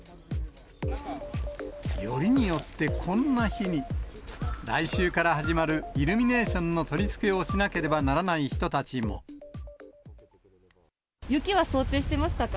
よりによってこんな日に、来週から始まるイルミネーションの取り付けをしなければならない雪は想定してましたか？